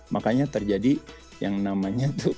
makanya terjadi yang namanya